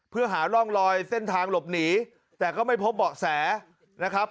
เพื่อหาร่องลอยเส้นทางหลบหนีแต่ก็ไม่พบเบาะแสนะครับ